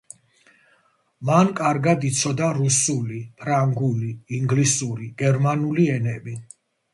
მან კარგად იცოდა რუსული, ფრანგული, ინგლისური, გერმანული ენები.